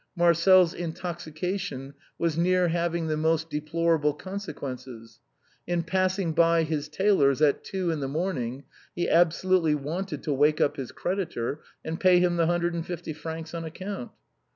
Marcel's intoxication was near having the most deplorable consequences. In passing by his tailor's, at two in the morning, he absolutely wanted to wake up his creditor, and pay him the hundred and fifty francs on account.